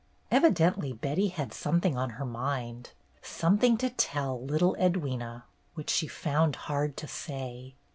Evidently Betty had something on her mind, something to tell little Edwyna which she found hard to say.